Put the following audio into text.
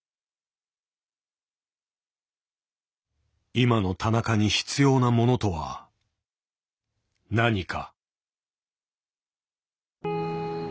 今の田中に必要なものとは何か。